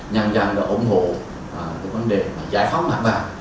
nhân dân đã ủng hộ vấn đề giải phóng mặt bằng